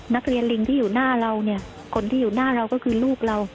ลิงที่อยู่หน้าเราเนี่ยคนที่อยู่หน้าเราก็คือลูกเรา